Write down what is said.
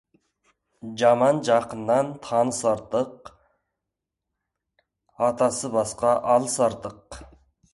Жаман жақыннан таныс артық, атасы басқа алыс артық.